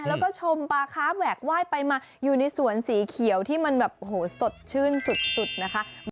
แล้วก็ชมปลาค้าแหวกไหว้ไปมาอยู่ในสวนสีเขียวที่มันแบบโหสดชื่นสุดนะคะ